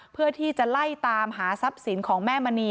เพื่อที่จะไล่ตามหาทรัพย์สินของแม่มณี